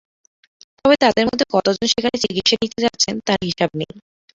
তবে তাঁদের মধ্যে কতজন সেখানে চিকিৎসা নিতে যাচ্ছেন তার হিসাব নেই।